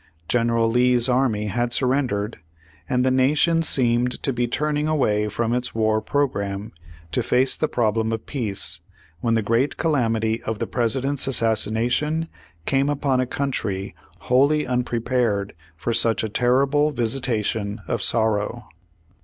General Lee's Page One Hundred sL\ty thfee army had surrendered, and the Nation seemed to be turning away from its war program, to face the problem of peace, when the great calamity of the President's assassination came upon a country wholly unprepared for such a terrible visitation of sorrow.